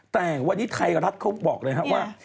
แต่วันนี้ไทยกับรัฐเขาบอกเลยว่า